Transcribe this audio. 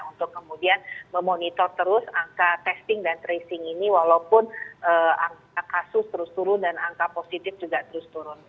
untuk kemudian memonitor terus angka testing dan tracing ini walaupun angka kasus terus turun dan angka positif juga terus turun